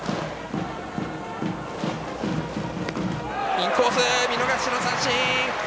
インコース、見逃し三振！